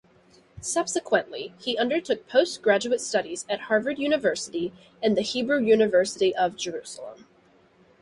Subsequently, he undertook postgraduate studies at Harvard University and the Hebrew University of Jerusalem.